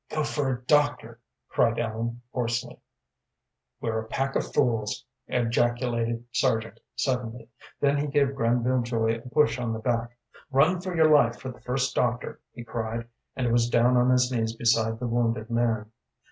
"Go for a doctor," cried Ellen, hoarsely. "We're a pack of fools," ejaculated Sargent, suddenly. Then he gave Granville Joy a push on the back. "Run for your life for the first doctor," he cried, and was down on his knees beside the wounded man.